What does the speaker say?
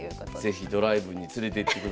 是非ドライブに連れてってください。